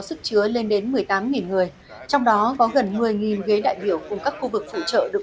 sức chứa lên đến một mươi tám người trong đó có gần một mươi ghế đại biểu cùng các khu vực phụ trợ được